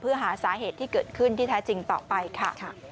เพื่อหาสาเหตุที่เกิดขึ้นที่แท้จริงต่อไปค่ะ